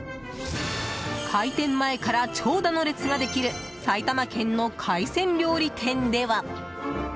開店前から長蛇の列ができる埼玉県の海鮮料理店では。